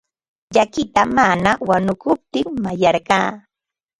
Llakita mamaa wanukuptin mayarqaa.